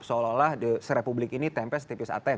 seolah olah di se republik ini tempest tipis atem